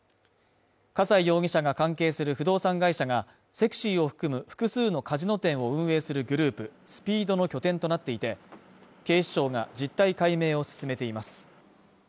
葛西容疑者が関係する不動産会社がＳＥＸＹを含む複数のカジノ店を運営するグループＳＰＥＥＤの拠点となっていて、警視庁が実態解明を進めています。